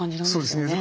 そうですね。